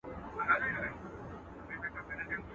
o شپه په امېد سبا کېږي.